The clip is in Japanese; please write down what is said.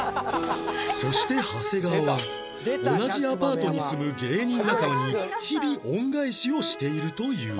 そして長谷川は同じアパートに住む芸人仲間に日々恩返しをしているという